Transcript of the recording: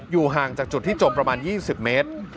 ห่างจากจุดที่จมประมาณ๒๐เมตร